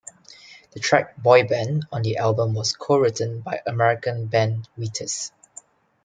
The track "Boy Band" on the album was co-written by American band Wheatus.